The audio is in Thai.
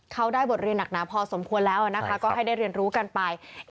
เขาได้บทเรียนหนักหนาพอสมควรแล้วนะคะก็ให้ได้เรียนรู้กันไป